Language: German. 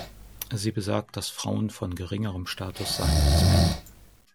Sie besagt, dass Frauen von geringerem Status seien als Männer.